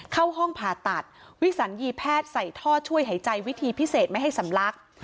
เข้าห้องผ่าตัดวิสัญญีแพทย์ใส่ท่อช่วยหายใจวิธีพิเศษไม่ให้สำลัก